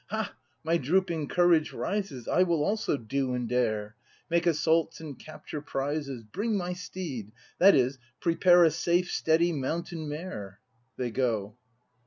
Ha, my drooping courage rises, I will also do and dare, — Make assaults and capture prizes! Bring my steed; — that is, prepare A safe, steady mountain mare! [They go.